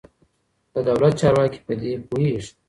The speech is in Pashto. د دولت چارواکي په دې پوهېږي.